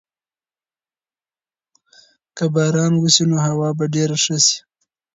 که باران وسي نو هوا به ډېره ښه سي.